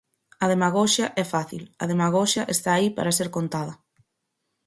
A demagoxia é fácil, a demagoxia está aí para ser contada.